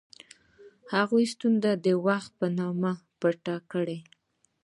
هغوی ستونزه د وخت په نوم پټه کړه.